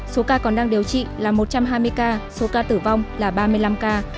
số ca còn đang điều trị là một trăm hai mươi ca số ca tử vong là ba mươi năm ca